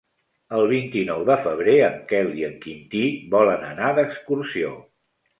El vint-i-nou de febrer en Quel i en Quintí volen anar d'excursió.